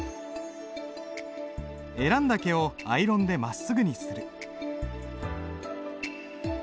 選んだ毛をアイロンでまっすぐにする。